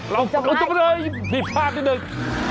เราต้องไปเลยผิดพลาดนิดหนึ่ง